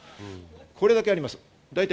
これだけあります。